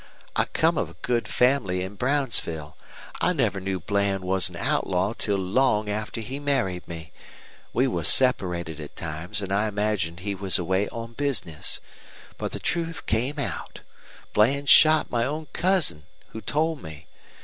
I come of a good family in Brownsville. I never knew Bland was an outlaw till long after he married me. We were separated at times, and I imagined he was away on business. But the truth came out. Bland shot my own cousin, who told me.